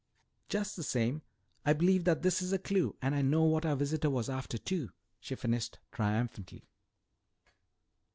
"Just the same, I believe that this is a clue and I know what our visitor was after, too," she finished triumphantly.